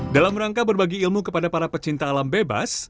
dalam rangka berbagi ilmu kepada para pecinta alam bebas